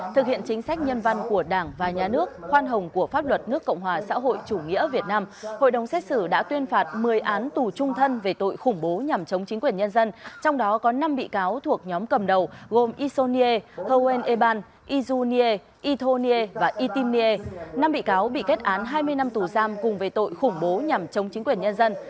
năm bị cáo bị kết án hai mươi năm tù giam cùng về tội khủng bố nhằm chống chính quyền nhân dân